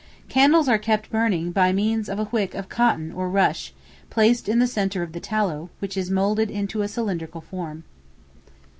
Candles are kept burning by means of a wick of cotton or rush, placed in the centre of the tallow, which is moulded into a cylindrical form.